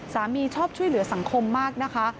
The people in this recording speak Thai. ชอบช่วยเหลือสังคมมากนะคะ